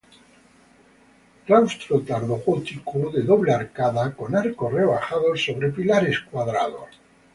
Claustro tardogótico de doble arcada, con arcos rebajados sobre pilares cuadrados.